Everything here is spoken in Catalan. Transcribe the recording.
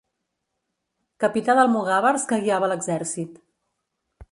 Capità d'almogàvers que guiava l'exèrcit.